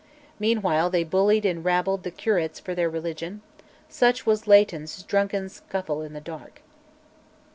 Meanwhile they bullied and "rabbled" the "curates" for their religion: such was Leighton's "drunken scuffle in the dark."